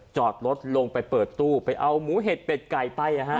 จอดรถลงไปเปิดตู้ไปเอาหมูเห็ดเป็ดไก่ไป